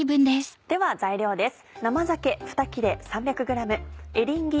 では材料です。